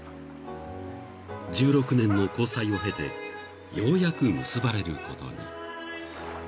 ［１６年の交際を経てようやく結ばれることに］